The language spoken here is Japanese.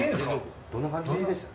どんな感じでした？